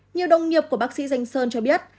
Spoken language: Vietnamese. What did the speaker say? nhiều đồng nghiệp của bác sĩ danh sơn cho biết